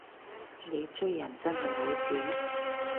你追人真係好屎